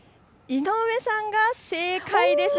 井上さんが正解です。